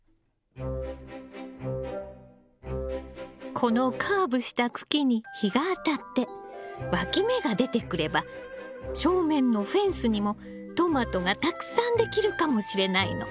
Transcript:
このカーブした茎に日が当たってわき芽が出てくれば正面のフェンスにもトマトがたくさんできるかもしれないの。